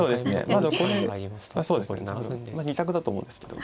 まあ２択だと思うんですけど。